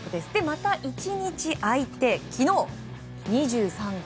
また１日空いて昨日、２３号。